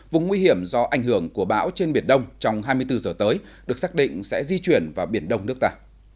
vùng nguy hiểm do ảnh hưởng của bão trên biển đông trong hai mươi bốn giờ tới được xác định sẽ di chuyển vào biển đông nước ta